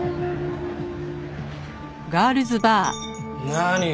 何？